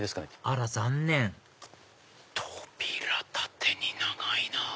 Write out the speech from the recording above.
あら残念扉縦に長いなぁ。